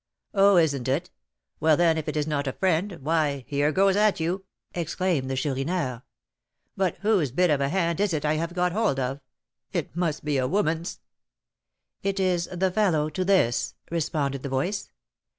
"Oh! isn't it? Well, then, if it is not a friend, why, here goes at you," exclaimed the Chourineur. "But whose bit of a hand is it I have got hold of? It must be a woman's!" "It is the fellow to this," responded the voice.